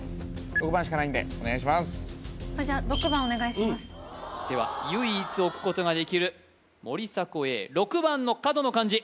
６番しかないんでお願いしますでは唯一置くことができる森迫永依６番の角の漢字